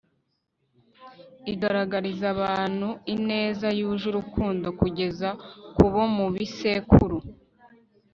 igaragariza abantu ineza yuje urukundo kugeza ku bo mu bisekuru